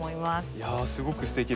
いやあすごくすてきです。